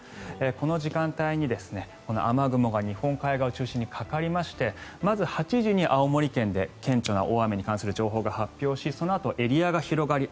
この時間帯にこの雨雲が日本海側を中心にかかりましてまず８時に青森県で顕著な大雨に関する情報が発表しそのあとエリアが広がり